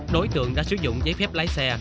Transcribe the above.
đối tượng đã sử dụng giấy phép lái xe